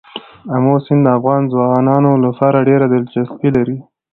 آمو سیند د افغان ځوانانو لپاره ډېره دلچسپي لري.